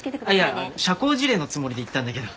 いや社交辞令のつもりで言ったんだけど。